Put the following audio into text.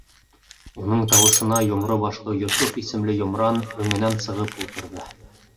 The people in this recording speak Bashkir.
Уның тауышына йомро башлы Йософ исемле йомран өңөнән сығып ултырҙы.